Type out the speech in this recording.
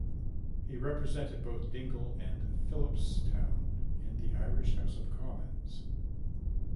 He represented both Dingle and Philipstown in the Irish House of Commons.